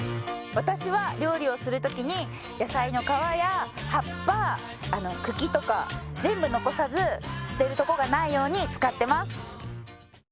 私は料理をするときに野菜の皮や葉っぱ茎とか全部残さず捨てるとこがないように使ってます